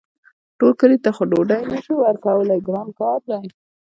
ټول کلي ته خو ډوډۍ نه شو ورکولی ګران کار دی.